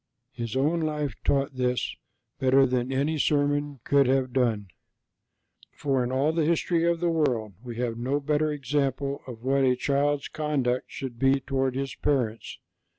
His own life taught this better than any sermon could have done, for in all the history of the world we have no better example of what a child's conduct should be toward his parents.